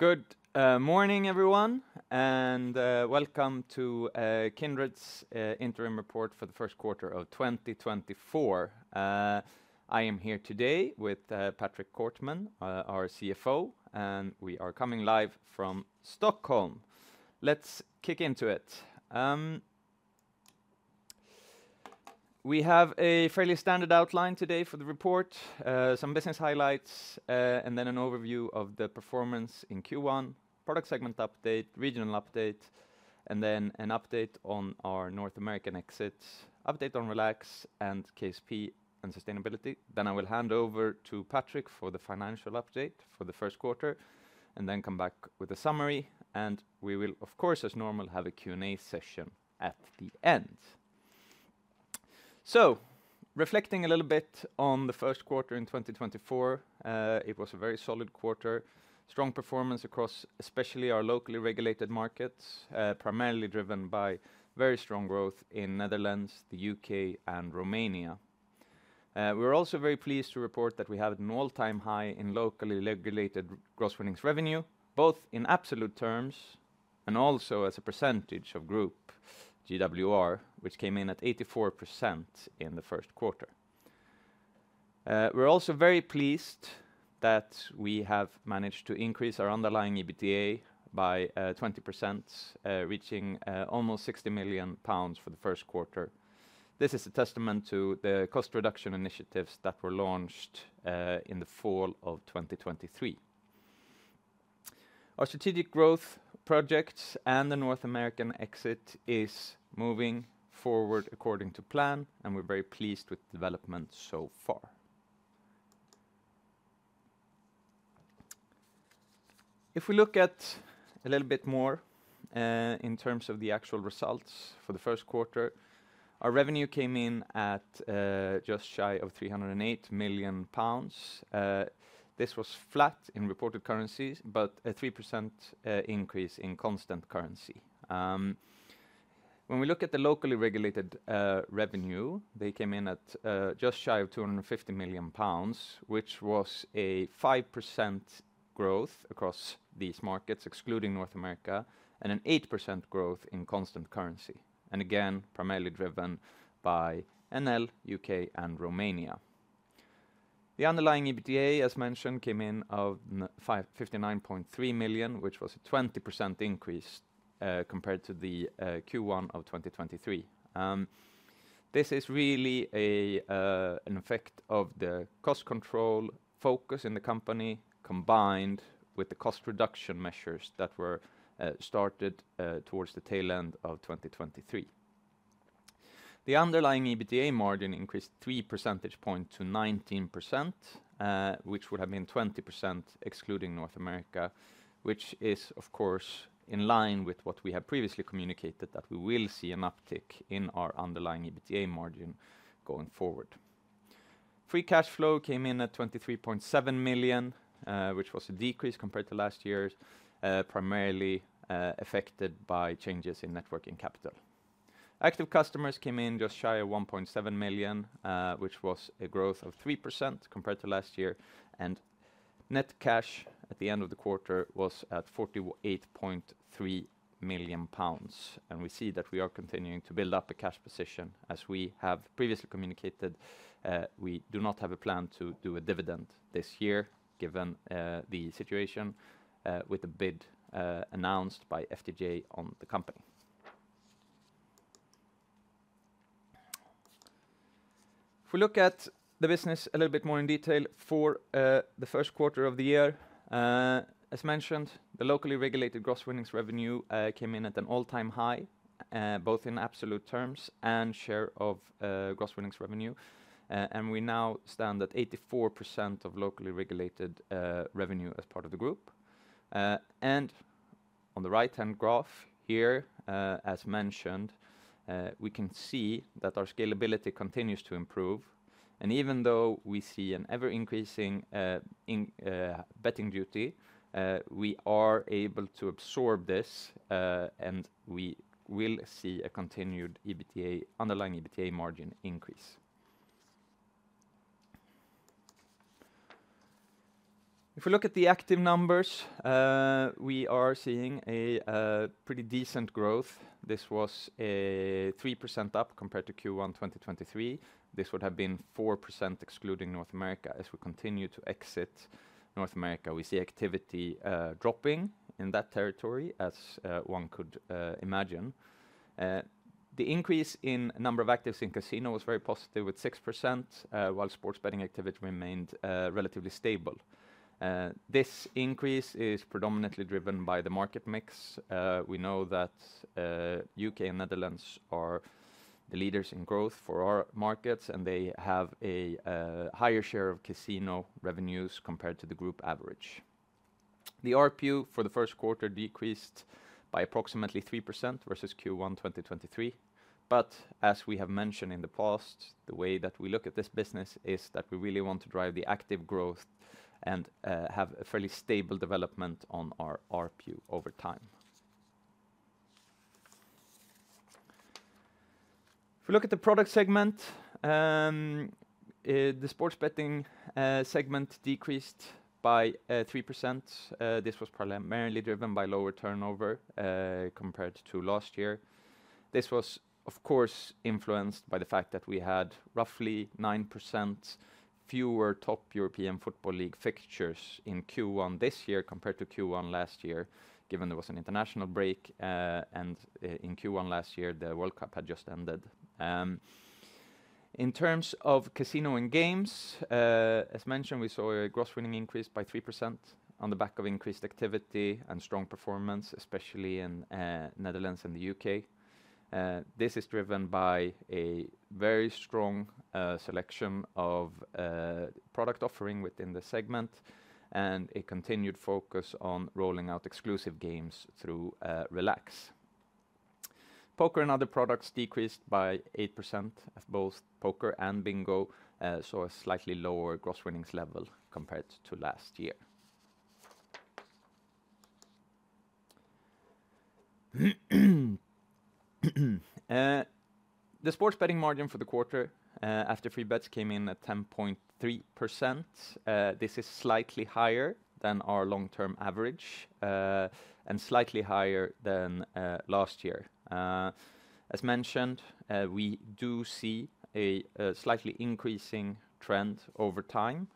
Good morning, everyone, and welcome to Kindred's interim report for the Q1 of 2024. I am here today with Patrick Kortman, our CFO, and we are coming live from Stockholm. Let's kick into it. We have a fairly standard outline today for the report: some business highlights, and then an overview of the performance in Q1, product segment update, regional update, and then an update on our North American exit, update on Relax, and KSP and sustainability. Then I will hand over to Patrick for the financial update for the Q1, and then come back with a summary. We will, of course, as normal, have a Q&A session at the end. So, reflecting a little bit on the Q1 in 2024, it was a very solid quarter, strong performance across especially our locally regulated markets, primarily driven by very strong growth in the Netherlands, the UK, and Romania. We are also very pleased to report that we have an all-time high in locally regulated gross earnings revenue, both in absolute terms and also as a percentage of group, GWR, which came in at 84% in the Q1. We're also very pleased that we have managed to increase our underlying EBITDA by 20%, reaching almost 60 million pounds for the Q1. This is a testament to the cost reduction initiatives that were launched in the fall of 2023. Our strategic growth projects and the North American exit are moving forward according to plan, and we're very pleased with developments so far. If we look at a little bit more in terms of the actual results for the Q1, our revenue came in at just shy of 308 million pounds. This was flat in reported currencies, but a 3% increase in constant currency. When we look at the locally regulated revenue, they came in at just shy of 250 million pounds, which was a 5% growth across these markets, excluding North America, and an 8% growth in constant currency, and again, primarily driven by NL, UK, and Romania. The underlying EBITDA, as mentioned, came in at 59.3 million, which was a 20% increase compared to the Q1 of 2023. This is really an effect of the cost control focus in the company combined with the cost reduction measures that were started towards the tail end of 2023. The underlying EBITDA margin increased 3 percentage points to 19%, which would have been 20% excluding North America, which is, of course, in line with what we have previously communicated, that we will see an uptick in our underlying EBITDA margin going forward. Free cash flow came in at 23.7 million, which was a decrease compared to last year, primarily affected by changes in working capital. Active customers came in just shy of 1.7 million, which was a growth of 3% compared to last year. And net cash at the end of the quarter was at 48.3 million pounds. And we see that we are continuing to build up a cash position. As we have previously communicated, we do not have a plan to do a dividend this year, given the situation, with a bid announced by FDJ on the company. If we look at the business a little bit more in detail for the Q1 of the year, as mentioned, the locally regulated gross winnings revenue came in at an all-time high, both in absolute terms and share of gross winnings revenue. We now stand at 84% of locally regulated revenue as part of the group. On the right-hand graph here, as mentioned, we can see that our scalability continues to improve. Even though we see an ever-increasing betting duty, we are able to absorb this, and we will see a continued underlying EBITDA margin increase. If we look at the active numbers, we are seeing a pretty decent growth. This was 3% up compared to Q1 2023. This would have been 4% excluding North America as we continue to exit North America. We see activity dropping in that territory, as one could imagine. The increase in number of actives in casino was very positive, with 6%, while sports betting activity remained relatively stable. This increase is predominantly driven by the market mix. We know that the UK and Netherlands are the leaders in growth for our markets, and they have a higher share of casino revenues compared to the group average. The RPU for the Q1 decreased by approximately 3% versus Q1 2023. But as we have mentioned in the past, the way that we look at this business is that we really want to drive the active growth and have a fairly stable development on our RPU over time. If we look at the product segment, the sports betting segment decreased by 3%. This was primarily driven by lower turnover compared to last year. This was, of course, influenced by the fact that we had roughly 9% fewer top European Football League fixtures in Q1 this year compared to Q1 last year, given there was an international break, and in Q1 last year, the World Cup had just ended. In terms of casino and games, as mentioned, we saw a gross winnings increase by 3% on the back of increased activity and strong performance, especially in the Netherlands and the UK. This is driven by a very strong selection of product offering within the segment and a continued focus on rolling out exclusive games through Relax. Poker and other products decreased by 8%. Both poker and bingo saw a slightly lower gross winnings level compared to last year. The sports betting margin for the quarter after free bets came in at 10.3%. This is slightly higher than our long-term average and slightly higher than last year. As mentioned, we do see a slightly increasing trend over time.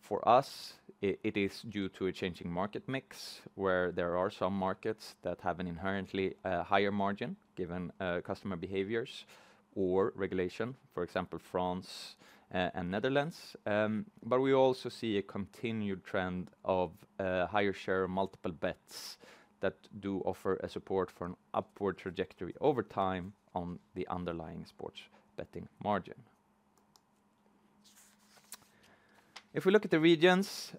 For us, it is due to a changing market mix, where there are some markets that have an inherently higher margin, given customer behaviors or regulation, for example, France and Netherlands. But we also see a continued trend of higher share of multiple bets that do offer support for an upward trajectory over time on the underlying sports betting margin. If we look at the regions,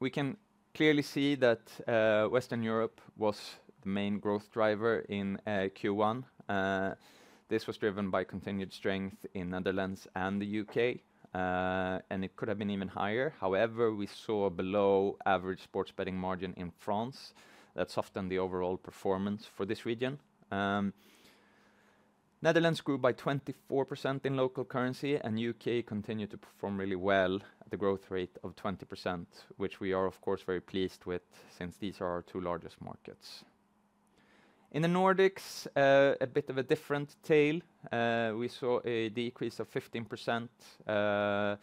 we can clearly see that Western Europe was the main growth driver in Q1. This was driven by continued strength in the Netherlands and the UK, and it could have been even higher. However, we saw a below-average sports betting margin in France. That's often the overall performance for this region. The Netherlands grew by 24% in local currency, and the U.K. continued to perform really well at the growth rate of 20%, which we are, of course, very pleased with since these are our two largest markets. In the Nordics, a bit of a different tale. We saw a decrease of 15%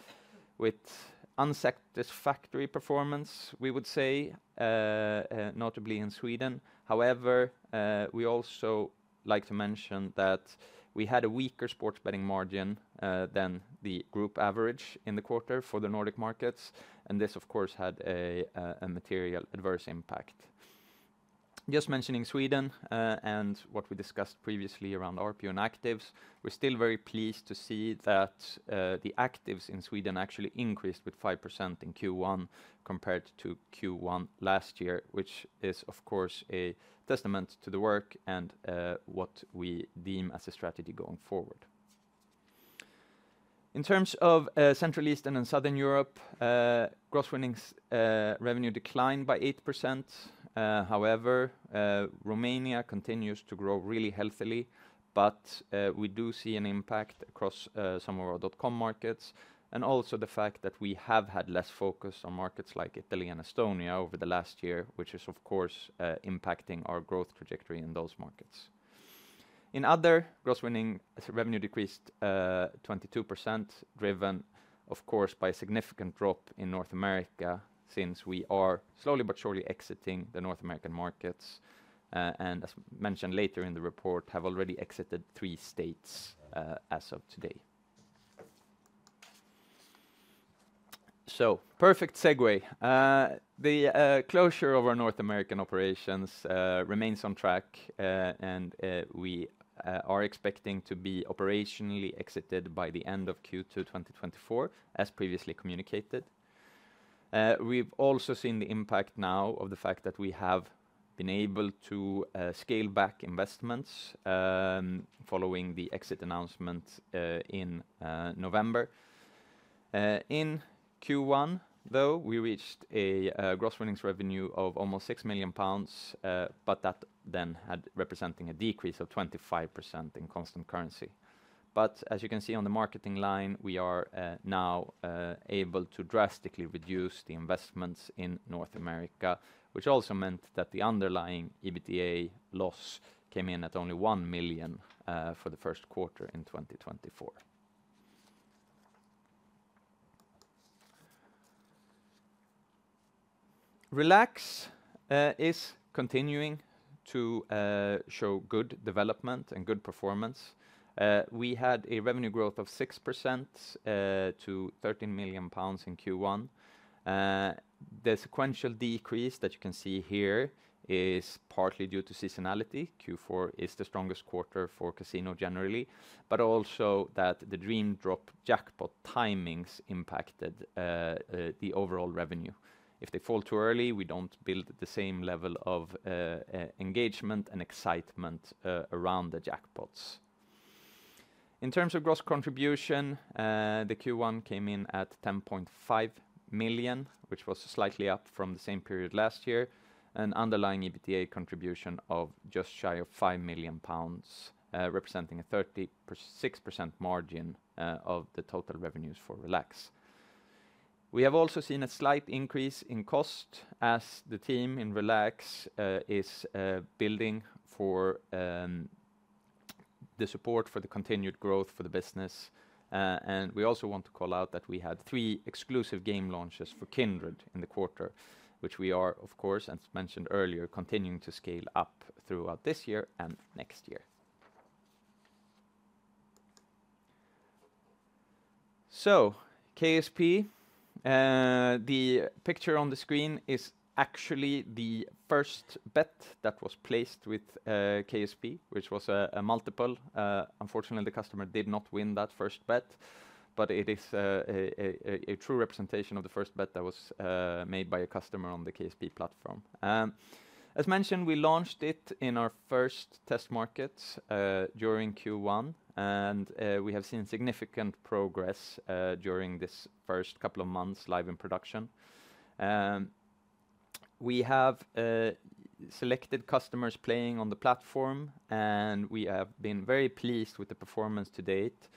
with unsatisfactory performance, we would say, notably in Sweden. However, we also like to mention that we had a weaker sports betting margin than the group average in the quarter for the Nordic markets. This, of course, had a material adverse impact. Just mentioning Sweden and what we discussed previously around RPU and actives, we're still very pleased to see that the actives in Sweden actually increased with 5% in Q1 compared to Q1 last year, which is, of course, a testament to the work and what we deem as a strategy going forward. In terms of Central East and Southern Europe, gross winnings revenue declined by 8%. However, Romania continues to grow really healthily, but we do see an impact across some of our dot-com markets and also the fact that we have had less focus on markets like Italy and Estonia over the last year, which is, of course, impacting our growth trajectory in those markets. In other gross winnings revenue decreased 22%, driven, of course, by a significant drop in North America since we are slowly but surely exiting the North American markets and, as mentioned later in the report, have already exited 3 states as of today. So, perfect segue. The closure of our North American operations remains on track, and we are expecting to be operationally exited by the end of Q2 2024, as previously communicated. We've also seen the impact now of the fact that we have been able to scale back investments following the exit announcement in November. In Q1, though, we reached a gross winnings revenue of almost 6 million pounds, but that then had represented a decrease of 25% in constant currency. But as you can see on the marketing line, we are now able to drastically reduce the investments in North America, which also meant that the underlying EBITDA loss came in at only 1 million for the Q1 in 2024. Relax is continuing to show good development and good performance. We had a revenue growth of 6% to 13 million pounds in Q1. The sequential decrease that you can see here is partly due to seasonality. Q4 is the strongest quarter for casino generally, but also that the Dream Drop jackpot timings impacted the overall revenue. If they fall too early, we don't build the same level of engagement and excitement around the jackpots. In terms of gross contribution, the Q1 came in at 10.5 million, which was slightly up from the same period last year, an underlying EBITDA contribution of just shy of 5 million pounds, representing a 36% margin of the total revenues for Relax. We have also seen a slight increase in cost as the team in Relax is building for the support for the continued growth for the business. We also want to call out that we had 3 exclusive game launches for Kindred in the quarter, which we are, of course, as mentioned earlier, continuing to scale up throughout this year and next year. KSP. The picture on the screen is actually the first bet that was placed with KSP, which was a multiple. Unfortunately, the customer did not win that first bet, but it is a true representation of the first bet that was made by a customer on the KSP platform. As mentioned, we launched it in our first test markets during Q1, and we have seen significant progress during this first couple of months live in production. We have selected customers playing on the platform, and we have been very pleased with the performance to date,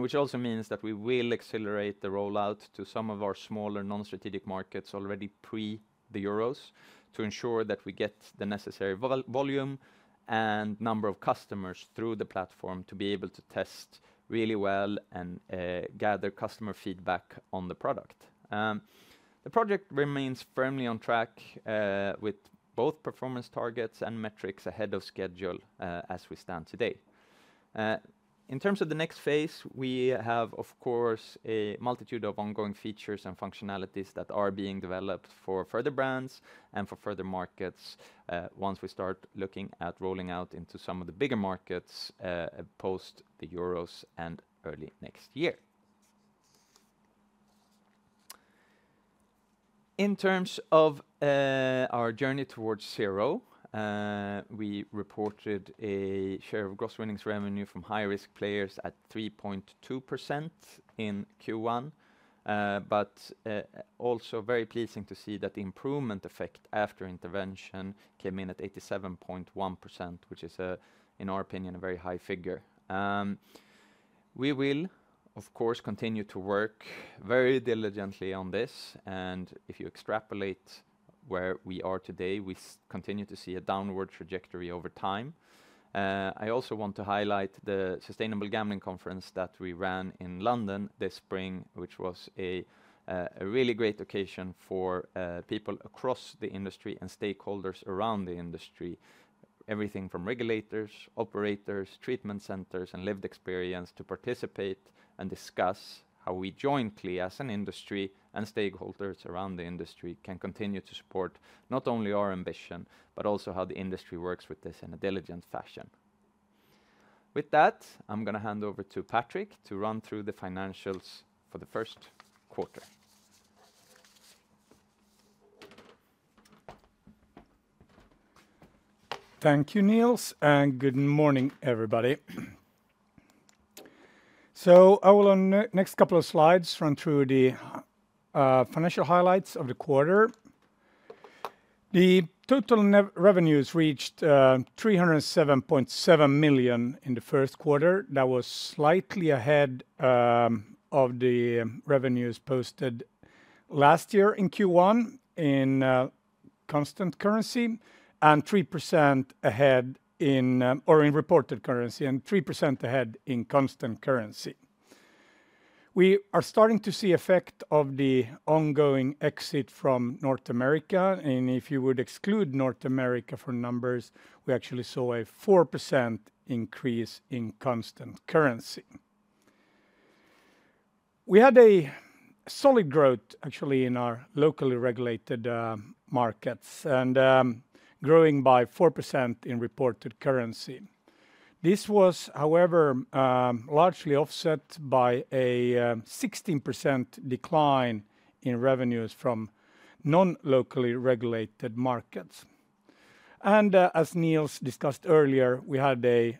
which also means that we will accelerate the rollout to some of our smaller non-strategic markets already pre the Euros to ensure that we get the necessary volume and number of customers through the platform to be able to test really well and gather customer feedback on the product. The project remains firmly on track with both performance targets and metrics ahead of schedule as we stand today. In terms of the next phase, we have, of course, a multitude of ongoing features and functionalities that are being developed for further brands and for further markets once we start looking at rolling out into some of the bigger markets post the Euros and early next year. In terms of our journey towards zero, we reported a share of gross winnings revenue from high-risk players at 3.2% in Q1, but also very pleasing to see that the improvement effect after intervention came in at 87.1%, which is, in our opinion, a very high figure. We will, of course, continue to work very diligently on this. And if you extrapolate where we are today, we continue to see a downward trajectory over time. I also want to highlight the Sustainable Gambling Conference that we ran in London this spring, which was a really great occasion for people across the industry and stakeholders around the industry, everything from regulators, operators, treatment centers, and lived experience to participate and discuss how we jointly, as an industry and stakeholders around the industry, can continue to support not only our ambition but also how the industry works with this in a diligent fashion. With that, I'm going to hand over to Patrick to run through the financials for the Q1. Thank you, Nils. And good morning, everybody. So, I will, on the next couple of slides, run through the financial highlights of the quarter. The total revenues reached 307.7 million in the Q1. That was slightly ahead of the revenues posted last year in Q1 in constant currency and 3% ahead in reported currency and 3% ahead in constant currency. We are starting to see the effect of the ongoing exit from North America. And if you would exclude North America from numbers, we actually saw a 4% increase in constant currency. We had a solid growth, actually, in our locally regulated markets and growing by 4% in reported currency. This was, however, largely offset by a 16% decline in revenues from non-locally regulated markets. And as Nils discussed earlier, we had a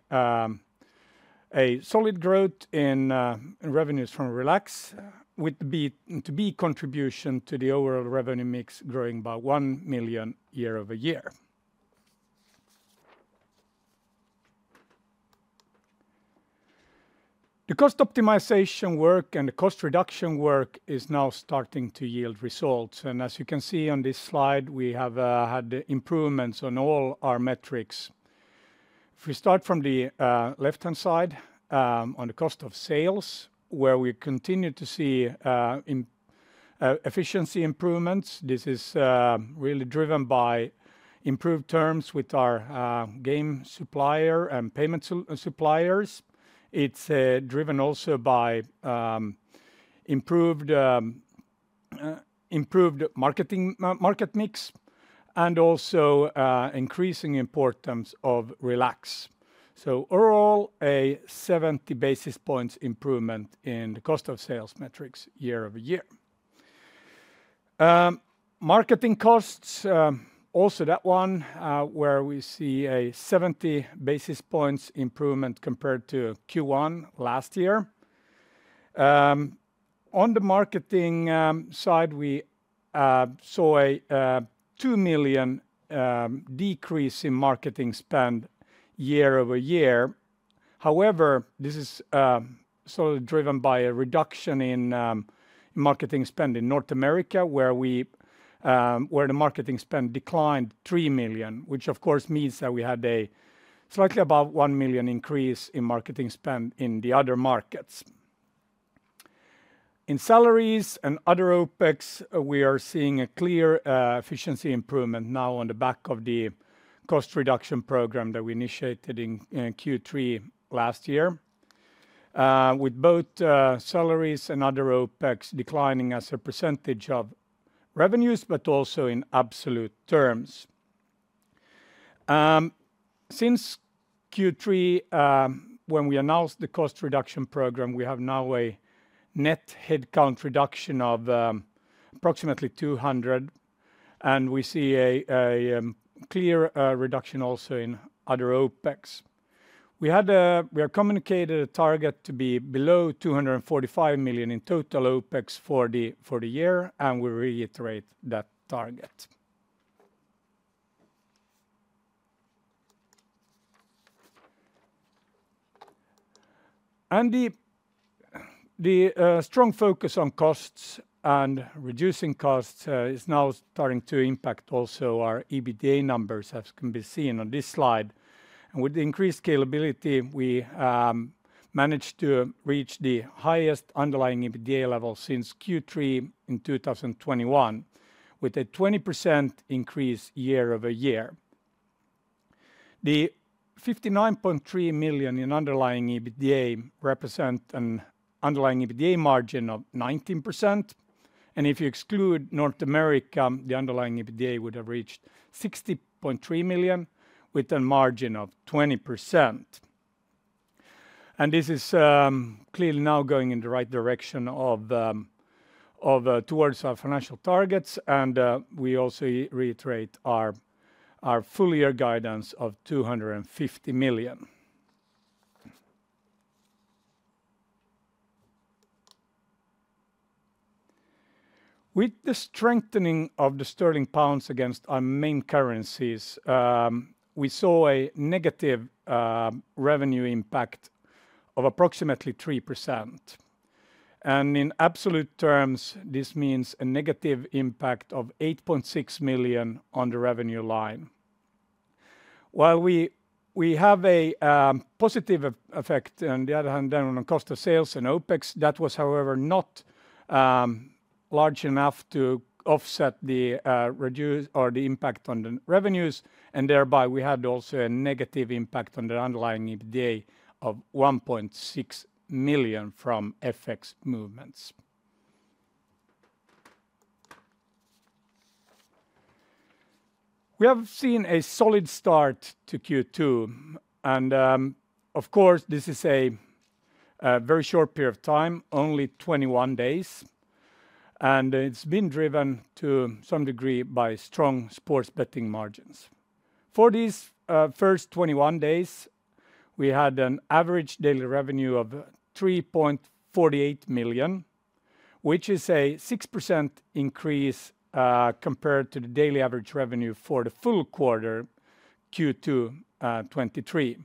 solid growth in revenues from Relax with the B2B contribution to the overall revenue mix growing by 1 million year-over-year. The cost optimisation work and the cost reduction work is now starting to yield results. As you can see on this slide, we have had improvements on all our metrics. If we start from the left-hand side on the cost of sales, where we continue to see efficiency improvements, this is really driven by improved terms with our game supplier and payment suppliers. It's driven also by improved market mix and also increasing importance of Relax. So, overall, a 70 basis points improvement in the cost of sales metrics year-over-year. Marketing costs, also that one, where we see a 70 basis points improvement compared to Q1 last year. On the marketing side, we saw a 2 million decrease in marketing spend year-over-year. However, this is solely driven by a reduction in marketing spend in North America, where the marketing spend declined 3 million, which, of course, means that we had a slightly above 1 million increase in marketing spend in the other markets. In salaries and other OpEx, we are seeing a clear efficiency improvement now on the back of the cost reduction program that we initiated in Q3 last year, with both salaries and other OpEx declining as a percentage of revenues but also in absolute terms. Since Q3, when we announced the cost reduction program, we have now a net headcount reduction of approximately 200, and we see a clear reduction also in other OpEx. We have communicated a target to be below 245 million in total OpEx for the year, and we reiterate that target. The strong focus on costs and reducing costs is now starting to impact also our EBITDA numbers, as can be seen on this slide. With the increased scalability, we managed to reach the highest underlying EBITDA level since Q3 in 2021 with a 20% increase year-over-year. The 59.3 million in underlying EBITDA represents an underlying EBITDA margin of 19%. If you exclude North America, the underlying EBITDA would have reached 60.3 million with a margin of 20%. This is clearly now going in the right direction towards our financial targets. We also reiterate our full-year guidance of GBP 250 million. With the strengthening of the sterling pounds against our main currencies, we saw a negative revenue impact of approximately 3%. In absolute terms, this means a negative impact of 8.6 million on the revenue line. While we have a positive effect, on the other hand, then on cost of sales and OpEx, that was, however, not large enough to offset the impact on the revenues. And thereby, we had also a negative impact on the underlying EBITDA of 1.6 million from FX movements. We have seen a solid start to Q2. And of course, this is a very short period of time, only 21 days. And it's been driven to some degree by strong sports betting margins. For these first 21 days, we had an average daily revenue of 3.48 million, which is a 6% increase compared to the daily average revenue for the full quarter, Q2 2023.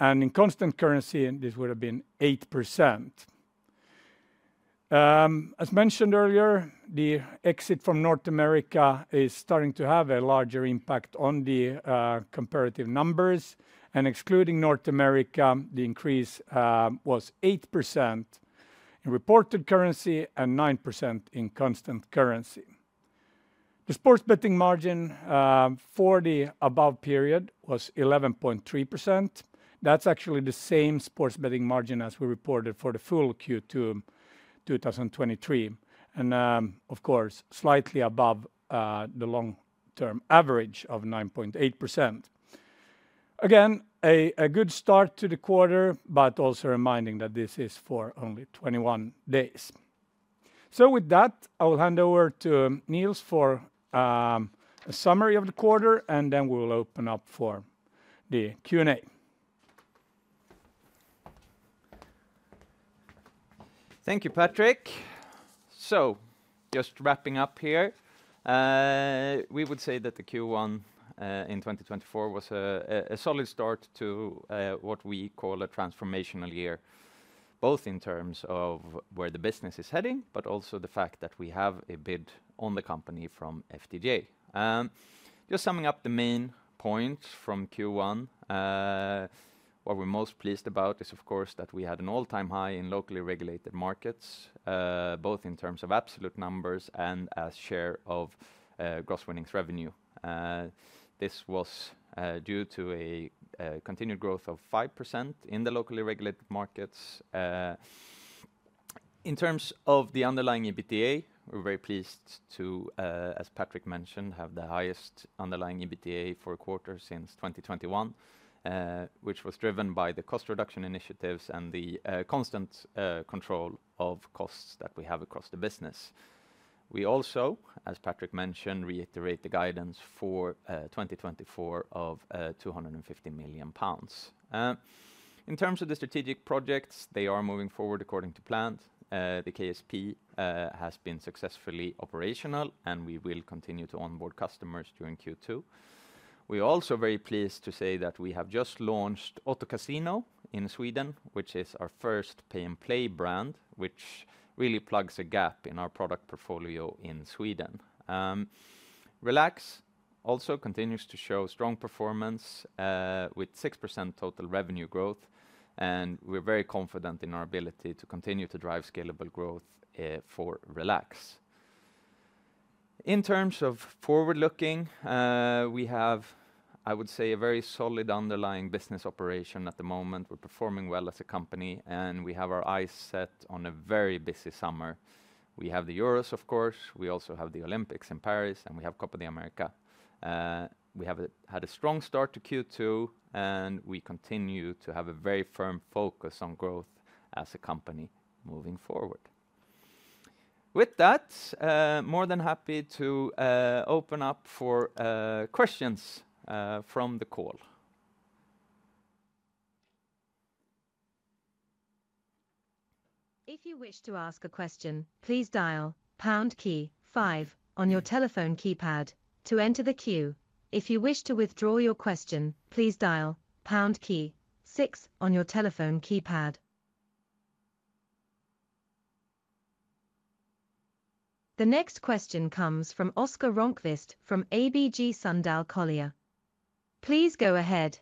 And in constant currency, this would have been 8%. As mentioned earlier, the exit from North America is starting to have a larger impact on the comparative numbers. Excluding North America, the increase was 8% in reported currency and 9% in constant currency. The sports betting margin for the above period was 11.3%. That's actually the same sports betting margin as we reported for the full Q2 2023 and, of course, slightly above the long-term average of 9.8%. Again, a good start to the quarter but also reminding that this is for only 21 days. So, with that, I will hand over to Nils for a summary of the quarter, and then we will open up for the Q&A. Thank you, Patrick. So, just wrapping up here, we would say that the Q1 in 2024 was a solid start to what we call a transformational year, both in terms of where the business is heading but also the fact that we have a bid on the company from FDJ. Just summing up the main points from Q1, what we're most pleased about is, of course, that we had an all-time high in locally regulated markets, both in terms of absolute numbers and as share of gross winnings revenue. This was due to a continued growth of 5% in the locally regulated markets. In terms of the underlying EBITDA, we're very pleased to, as Patrick mentioned, have the highest underlying EBITDA for a quarter since 2021, which was driven by the cost reduction initiatives and the constant control of costs that we have across the business. We also, as Patrick mentioned, reiterate the guidance for 2024 of 250 million pounds. In terms of the strategic projects, they are moving forward according to plan. The KSP has been successfully operational, and we will continue to onboard customers during Q2. We are also very pleased to say that we have just launched Otto Casino in Sweden, which is our first pay-and-play brand, which really plugs a gap in our product portfolio in Sweden. Relax also continues to show strong performance with 6% total revenue growth. And we're very confident in our ability to continue to drive scalable growth for Relax. In terms of forward-looking, we have, I would say, a very solid underlying business operation at the moment. We're performing well as a company, and we have our eyes set on a very busy summer. We have the Euros, of course. We also have the Olympics in Paris, and we have Copa de América. We have had a strong start to Q2, and we continue to have a very firm focus on growth as a company moving forward. With that, more than happy to open up for questions from the call. If you wish to ask a question, please dial pound key 5 on your telephone keypad to enter the queue. If you wish to withdraw your question, please dial pound key 6 on your telephone keypad. The next question comes from Oskar Rönkvist from ABG Sundal Collier. Please go ahead.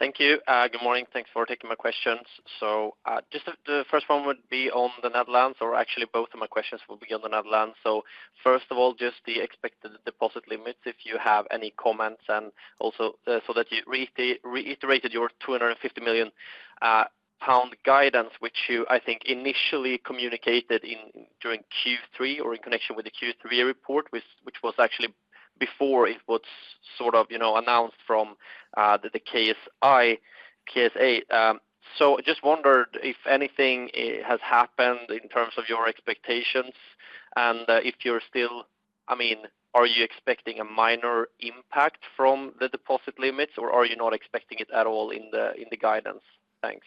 Thank you. Good morning. Thanks for taking my questions. So, just the first one would be on the Netherlands, or actually, both of my questions will be on the Netherlands. So, first of all, just the expected deposit limits if you have any comments, and also so that you reiterated your 250 million pound guidance, which you, I think, initially communicated during Q3 or in connection with the Q3 report, which was actually before it was sort of announced from the KSA. So, I just wondered if anything has happened in terms of your expectations and if you're still I mean, are you expecting a minor impact from the deposit limits, or are you not expecting it at all in the guidance? Thanks.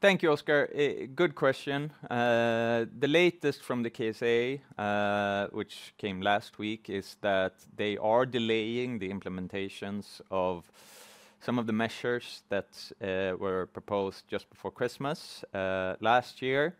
Thank you, Oskar. Good question. The latest from the KSA, which came last week, is that they are delaying the implementations of some of the measures that were proposed just before Christmas last year.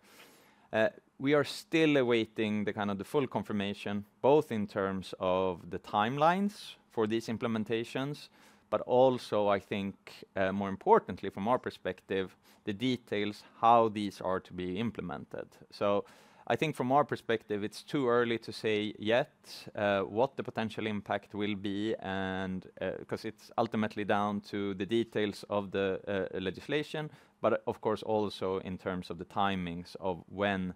We are still awaiting the kind of the full confirmation, both in terms of the timelines for these implementations, but also, I think, more importantly, from our perspective, the details, how these are to be implemented. So, I think from our perspective, it's too early to say yet what the potential impact will be because it's ultimately down to the details of the legislation, but of course, also in terms of the timings of when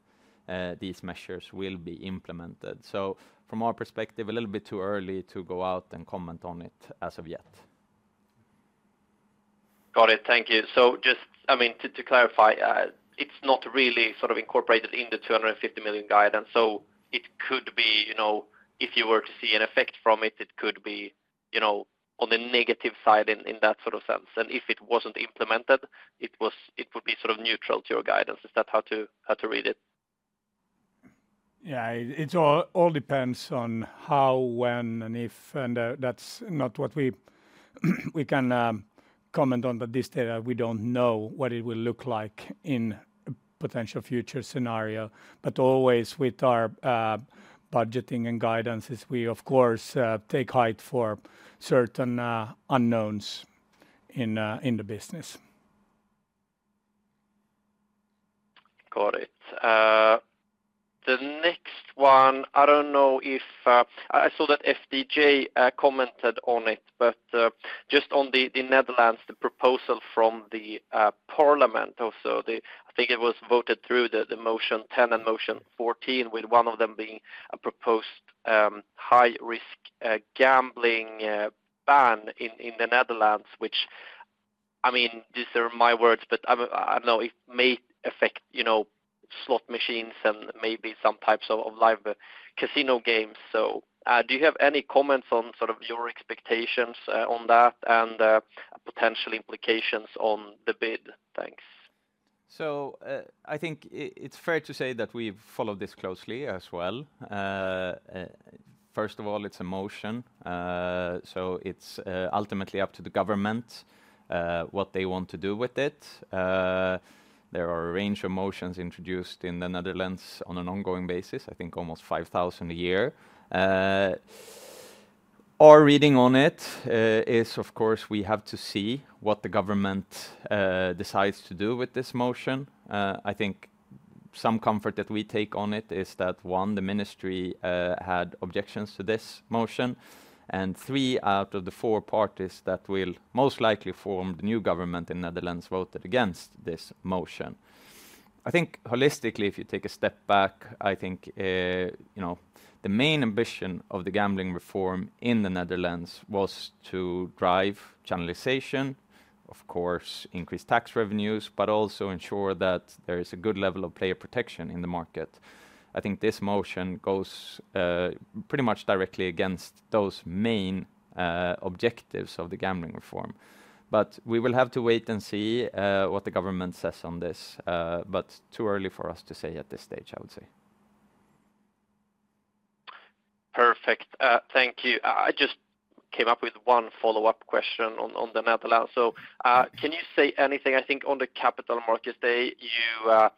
these measures will be implemented. So, from our perspective, a little bit too early to go out and comment on it as of yet. Got it. Thank you. So, just I mean, to clarify, it's not really sort of incorporated in the 250 million guidance. So, it could be if you were to see an effect from it, it could be on the negative side in that sort of sense. And if it wasn't implemented, it would be sort of neutral to your guidance. Is that how to read it? Yeah. It all depends on how, when, and if. That's not what we can comment on, but this data, we don't know what it will look like in a potential future scenario. Always, with our budgeting and guidances, we, of course, take height for certain unknowns in the business. Got it. The next one, I don't know if I saw that FDJ commented on it, but just on the Netherlands, the proposal from the parliament, also I think it was voted through, the motion 10 and motion 14, with one of them being a proposed high-risk gambling ban in the Netherlands, which I mean, these are my words, but I don't know if it may affect slot machines and maybe some types of live casino games. So, do you have any comments on sort of your expectations on that and potential implications on the bid? Thanks. So, I think it's fair to say that we follow this closely as well. First of all, it's a motion. So, it's ultimately up to the government what they want to do with it. There are a range of motions introduced in the Netherlands on an ongoing basis, I think almost 5,000 a year. Our reading on it is, of course, we have to see what the government decides to do with this motion. I think some comfort that we take on it is that, one, the ministry had objections to this motion. And three, out of the four parties that will most likely form the new government in the Netherlands voted against this motion. I think holistically, if you take a step back, I think the main ambition of the gambling reform in the Netherlands was to drive channelization, of course, increase tax revenues, but also ensure that there is a good level of player protection in the market. I think this motion goes pretty much directly against those main objectives of the gambling reform. But we will have to wait and see what the government says on this. But too early for us to say at this stage, I would say. Perfect. Thank you. I just came up with one follow-up question on the Netherlands. So, can you say anything? I think on the capital markets day, you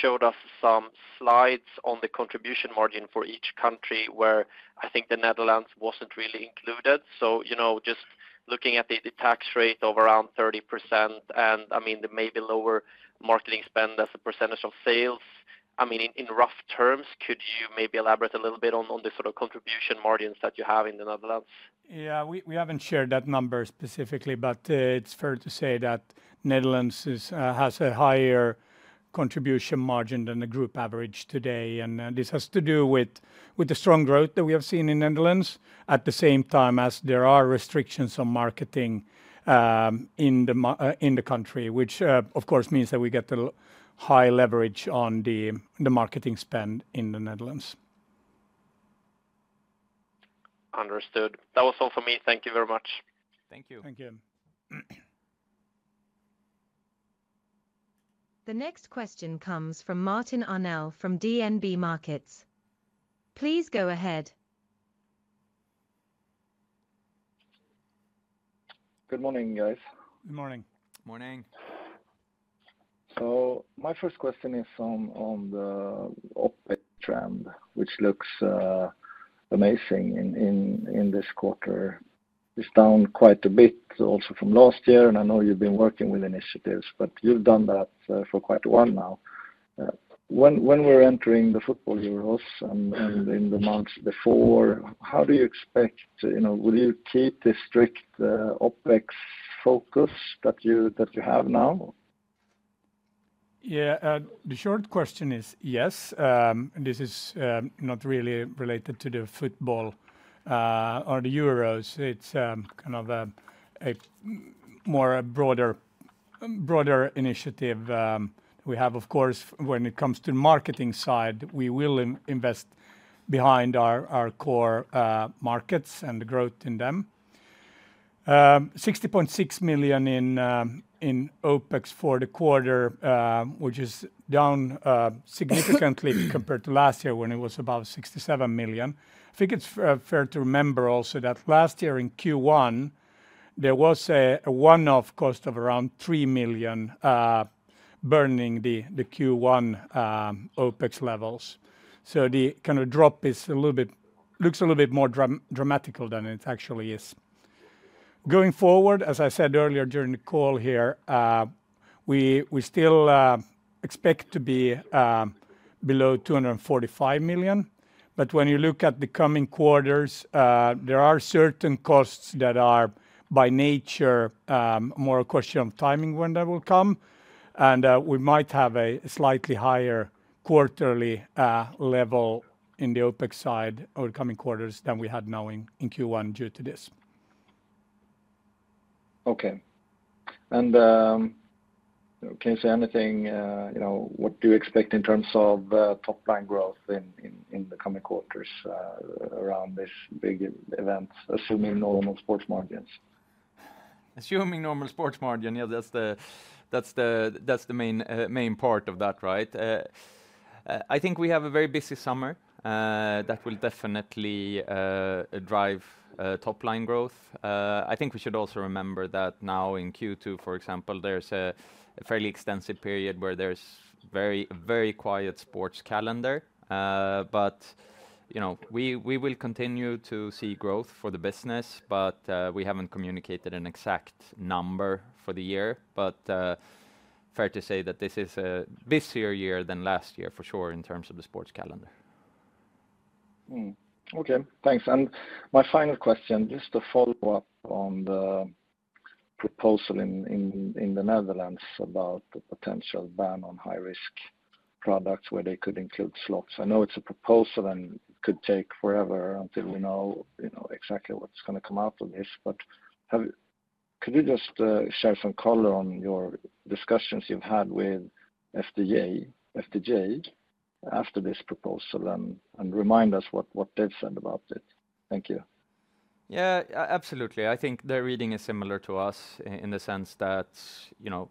showed us some slides on the contribution margin for each country where I think the Netherlands wasn't really included. So, just looking at the tax rate of around 30% and, I mean, the maybe lower marketing spend as a percentage of sales, I mean, in rough terms, could you maybe elaborate a little bit on the sort of contribution margins that you have in the Netherlands? Yeah. We haven't shared that number specifically, but it's fair to say that the Netherlands has a higher contribution margin than the group average today. And this has to do with the strong growth that we have seen in the Netherlands at the same time as there are restrictions on marketing in the country, which, of course, means that we get a high leverage on the marketing spend in the Netherlands. Understood. That was all from me. Thank you very much. Thank you. Thank you. The next question comes from Martin Arnell from DNB Markets. Please go ahead. Good morning, guys. Good morning. Morning. So, my first question is on the OpEx trend, which looks amazing in this quarter. It's down quite a bit also from last year, and I know you've been working with initiatives, but you've done that for quite a while now. When we're entering the football year and in the months before, how do you expect will you keep this strict OpEx focus that you have now? Yeah. The short question is yes. This is not really related to the football or the Euros. It's kind of a broader initiative that we have. Of course, when it comes to the marketing side, we will invest behind our core markets and the growth in them. 60.6 million in OpEx for the quarter, which is down significantly compared to last year when it was about 67 million. I think it's fair to remember also that last year in Q1, there was a one-off cost of around 3 million burning the Q1 OpEx levels. So, the kind of drop looks a little bit more dramatic than it actually is. Going forward, as I said earlier during the call here, we still expect to be below 245 million. When you look at the coming quarters, there are certain costs that are by nature more a question of timing when that will come. We might have a slightly higher quarterly level in the OpEx side over the coming quarters than we had now in Q1 due to this. Okay. Can you say anything what do you expect in terms of top-line growth in the coming quarters around this big event, assuming normal sports margins? Assuming normal sports margin, yeah, that's the main part of that, right? I think we have a very busy summer that will definitely drive top-line growth. I think we should also remember that now in Q2, for example, there's a fairly extensive period where there's a very quiet sports calendar. But we will continue to see growth for the business, but we haven't communicated an exact number for the year. But fair to say that this is a busier year than last year for sure in terms of the sports calendar. Okay. Thanks. And my final question, just a follow-up on the proposal in the Netherlands about the potential ban on high-risk products where they could include slots. I know it's a proposal, and it could take forever until we know exactly what's going to come out of this. But could you just share some color on your discussions you've had with FDJ after this proposal and remind us what they've said about it? Thank you. Yeah, absolutely. I think their reading is similar to us in the sense that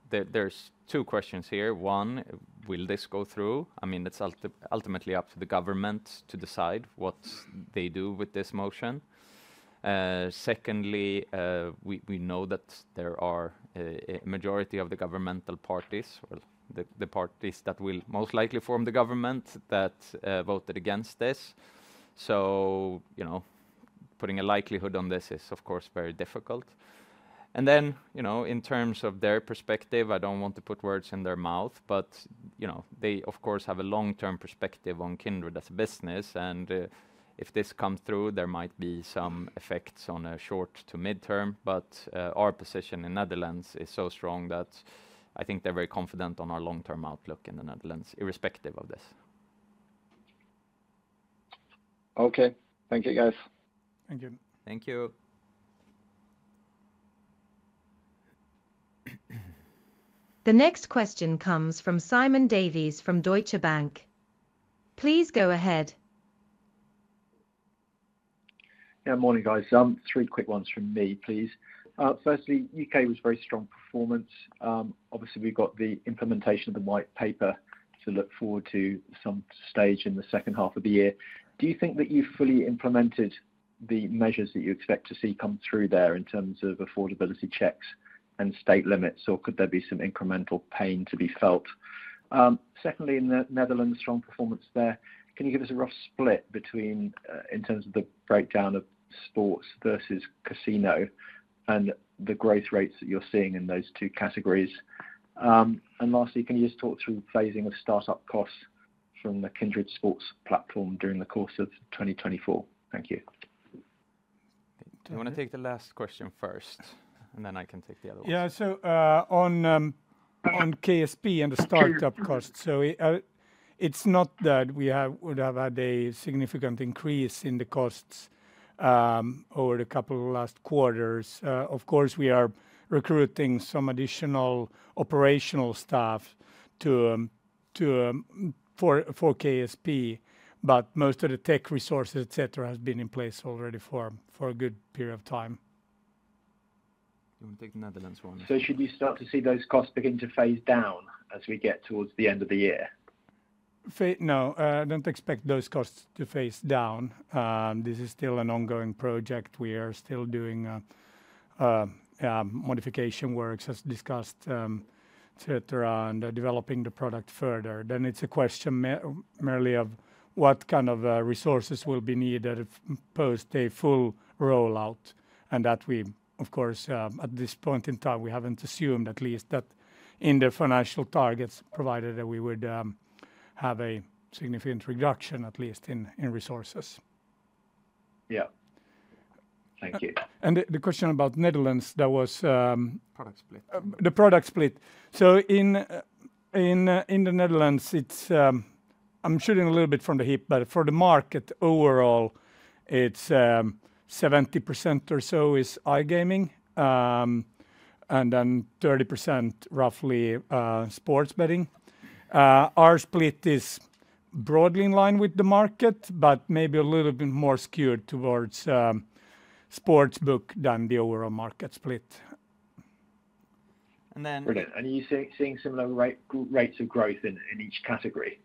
there's two questions here. One, will this go through? I mean, it's ultimately up to the government to decide what they do with this motion. Secondly, we know that there are a majority of the governmental parties or the parties that will most likely form the government that voted against this. So, putting a likelihood on this is, of course, very difficult. And then in terms of their perspective, I don't want to put words in their mouth, but they, of course, have a long-term perspective on Kindred as a business. And if this comes through, there might be some effects on a short to mid-term. But our position in the Netherlands is so strong that I think they're very confident on our long-term outlook in the Netherlands, irrespective of this. Okay. Thank you, guys. Thank you. Thank you. The next question comes from Simon Davies from Deutsche Bank. Please go ahead. Yeah. Morning, guys. Three quick ones from me, please. Firstly, UK was very strong performance. Obviously, we've got the implementation of the white paper to look forward to some stage in the second half of the year. Do you think that you fully implemented the measures that you expect to see come through there in terms of affordability checks and stake limits, or could there be some incremental pain to be felt? Secondly, in the Netherlands, strong performance there. Can you give us a rough split in terms of the breakdown of sports versus casino and the growth rates that you're seeing in those two categories? And lastly, can you just talk through phasing of startup costs from the Kindred Sportsbook Platform during the course of 2024? Thank you. Do you want to take the last question first, and then I can take the other ones? Yeah. So, on KSP and the startup costs, so it's not that we would have had a significant increase in the costs over the couple of last quarters. Of course, we are recruiting some additional operational staff for KSP, but most of the tech resources, etc., have been in place already for a good period of time. Do you want to take the Netherlands one? Should you start to see those costs begin to phase down as we get towards the end of the year? No, don't expect those costs to phase down. This is still an ongoing project. We are still doing modification works, as discussed, etc., and developing the product further. Then it's a question merely of what kind of resources will be needed post a full rollout and that we, of course, at this point in time, we haven't assumed at least that in the financial targets provided that we would have a significant reduction at least in resources. Yeah. Thank you. The question about Netherlands, that was. Product split. The product split. So, in the Netherlands, I'm shooting a little bit from the hip, but for the market overall, it's 70% or so iGaming and then 30% roughly sports betting. Our split is broadly in line with the market but maybe a little bit more skewed towards sportsbook than the overall market split. Brilliant. And are you seeing similar rates of growth in each category?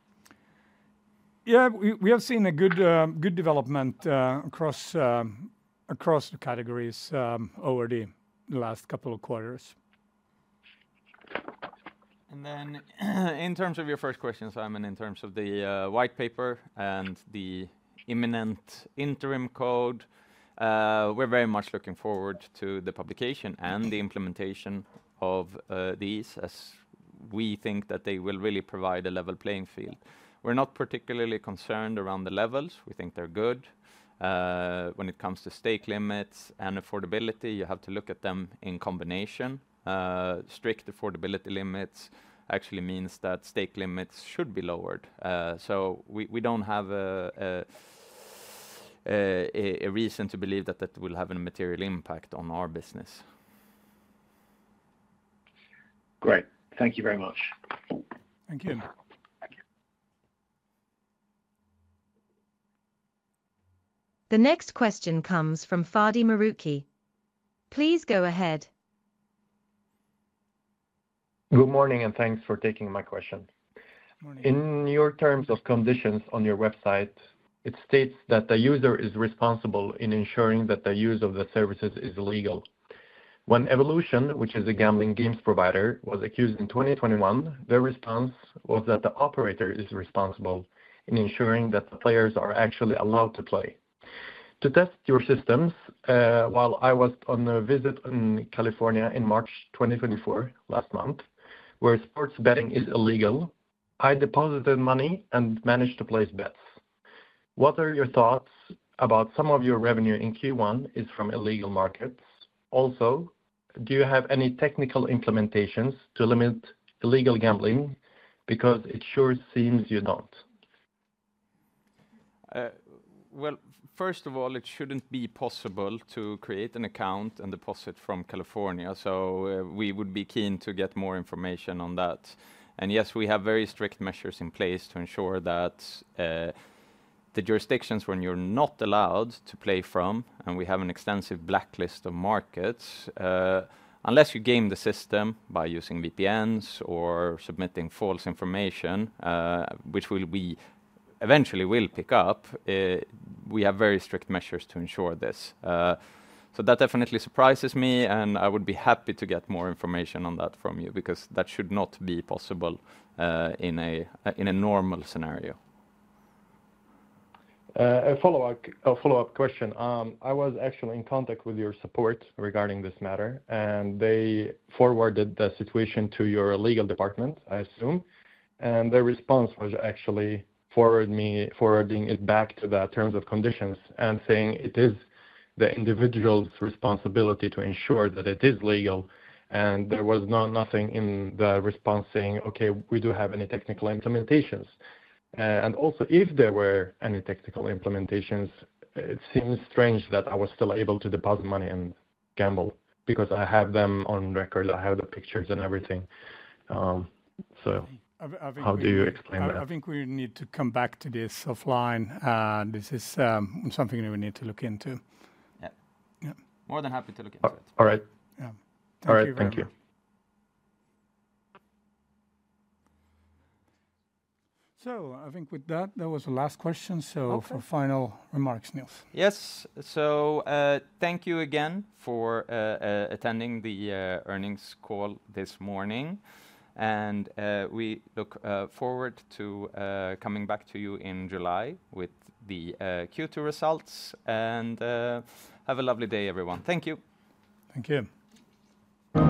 Yeah. We have seen a good development across the categories over the last couple of quarters. And then in terms of your first question, Simon, in terms of the white paper and the imminent interim code, we're very much looking forward to the publication and the implementation of these as we think that they will really provide a level playing field. We're not particularly concerned around the levels. We think they're good. When it comes to stake limits and affordability, you have to look at them in combination. Strict affordability limits actually means that stake limits should be lowered. So, we don't have a reason to believe that that will have a material impact on our business. Great. Thank you very much. Thank you. The next question comes from Fadi Marouki. Please go ahead. Good morning, and thanks for taking my question. In your terms of conditions on your website, it states that the user is responsible in ensuring that the use of the services is legal. When Evolution, which is a gambling games provider, was accused in 2021, their response was that the operator is responsible in ensuring that the players are actually allowed to play. To test your systems, while I was on a visit in California in March 2024, last month, where sports betting is illegal, I deposited money and managed to place bets. What are your thoughts about some of your revenue in Q1 is from illegal markets? Also, do you have any technical implementations to limit illegal gambling because it sure seems you don't? Well, first of all, it shouldn't be possible to create an account and deposit from California. So, we would be keen to get more information on that. And yes, we have very strict measures in place to ensure that the jurisdictions when you're not allowed to play from, and we have an extensive blacklist of markets, unless you game the system by using VPNs or submitting false information, which we eventually will pick up. We have very strict measures to ensure this. So, that definitely surprises me, and I would be happy to get more information on that from you because that should not be possible in a normal scenario. A follow-up question. I was actually in contact with your support regarding this matter, and they forwarded the situation to your legal department, I assume. Their response was actually forwarding it back to the terms and conditions and saying it is the individual's responsibility to ensure that it is legal. There was nothing in the response saying, "Okay, we do have any technical implementations." Also, if there were any technical implementations, it seems strange that I was still able to deposit money and gamble because I have them on record. I have the pictures and everything. So, how do you explain that? I think we need to come back to this offline. This is something we need to look into. Yeah. More than happy to look into it. All right. Yeah. Thank you very much. All right. Thank you. I think with that, that was the last question. For final remarks, Nils. Yes. Thank you again for attending the earnings call this morning. We look forward to coming back to you in July with the Q2 results and have a lovely day, everyone. Thank you. Thank you.